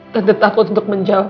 tante takut untuk menjawab